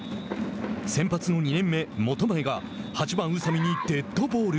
先発の２年目、本前が８番宇佐見にデッドボール。